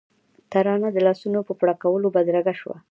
ترانه د لاسونو په پړکولو بدرګه شوه.